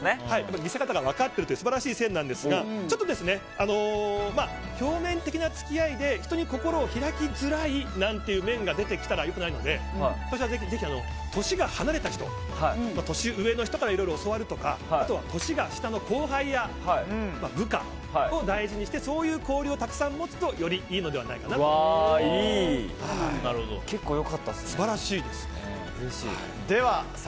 見せ方が分かってるという素晴らしい線ですがちょっと表面的な付き合いで人に心を開きづらいなんていう面が出てきたらよくないのでぜひ、年が離れた人年上の人からいろいろ教わるとか年が下の後輩や部下を大事にしてそういう交流をたくさん持つと結構良かったですね。